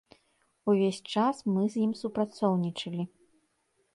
Увесь час мы з ім супрацоўнічалі.